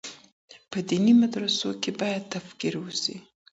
په ديني مدرسو کي بايد تفکر وسي.